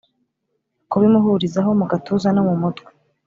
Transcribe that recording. kubimuhurizaho mugatuza no mumutwe